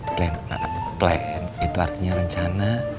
plan a plan itu artinya rencana